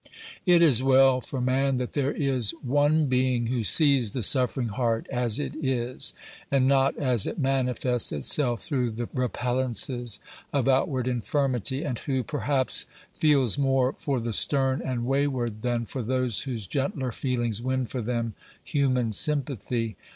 It is well for man that there is one Being who sees the suffering heart as it is, and not as it manifests itself through the repellances of outward infirmity, and who, perhaps, feels more for the stern and wayward than for those whose gentler feelings win for them human sympathy.